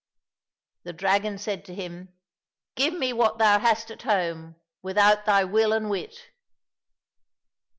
— The dragon said to him, '' Give me what thou hast at home without thy will and wit